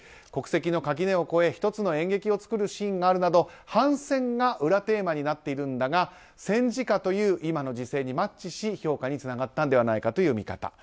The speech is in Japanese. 国籍の垣根を越え１つの演劇を作るシーンがあるなど反戦が裏テーマになっているのだが戦時下という今の時代にマッチし評価につながったのではないかという見方。